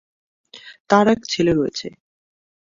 তাদের এক ছেলে রয়েছে।